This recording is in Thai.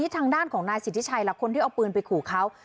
ทางด้านของนายสิทธิชัยล่ะคนที่เอาปืนไปขู่เขา